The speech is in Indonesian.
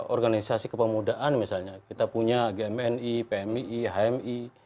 organisasi kepemudaan misalnya kita punya gmni pmii hmi